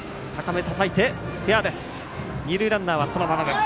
二塁ランナーはそのままです。